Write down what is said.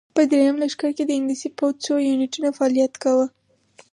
په درېیم لښکر کې د انګلیسي پوځ څو یونیټونو فعالیت کاوه.